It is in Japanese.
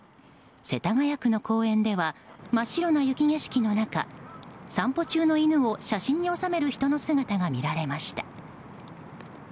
世田谷区の公園では真っ白な雪景色の中散歩中の犬を写真に収める人の姿が見られました。